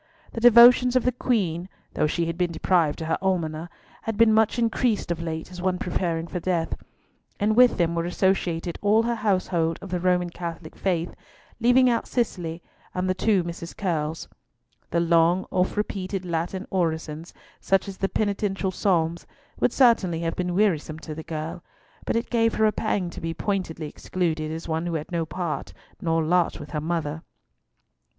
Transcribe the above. The devotions of the Queen, though she had been deprived of her almoner had been much increased of late as one preparing for death; and with them were associated all her household of the Roman Catholic faith, leaving out Cicely and the two Mrs. Curlls. The long oft repeated Latin orisons, such as the penitential Psalms, would certainly have been wearisome to the girl, but it gave her a pang to be pointedly excluded as one who had no part nor lot with her mother.